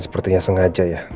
sepertinya sengaja ya